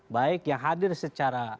baik yang hadir secara